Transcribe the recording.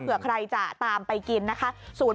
เผื่อใครจะตามไปกินนะคะ